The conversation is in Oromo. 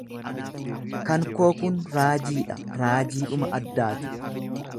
Kan koo kun raajii dha, raajiidhuma addaati.